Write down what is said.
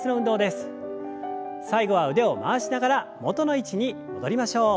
最後は腕を回しながら元の位置に戻りましょう。